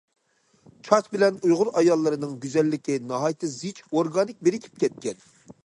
چاچ بىلەن ئۇيغۇر ئاياللىرىنىڭ گۈزەللىكى ناھايىتى زىچ ئورگانىك بىرىكىپ كەتكەن.